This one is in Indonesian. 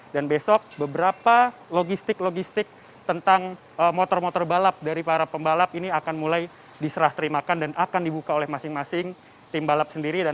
dan besok beberapa logistik logistik tentang motor motor balap dari para pembalap ini akan mulai diserah terimakan dan akan dibuka oleh masing masing tim balap sendiri